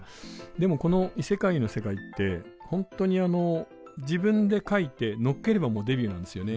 でもこの異世界の世界ってホントにあの自分で書いて載っければもうデビューなんですよね。